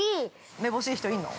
◆めぼしい人いんの？